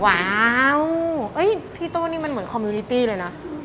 ว้าวพี่โต้นี่มันเหมือนคอมมิวนิตี้เลยนะ